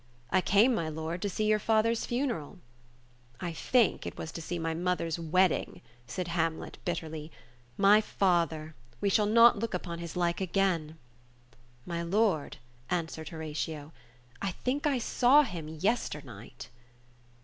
"I came, my lord, to see your father's funeral." I think it was to see my mother's wedding," said Hamlet, bit terly. "My father! We shall not look upon his like again." "My lord," answered Horatio, "I think I saw him yesternight."